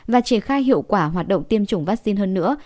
và triển khai hiệu quả hoạt động tiêm chủng vaccine hơn nữa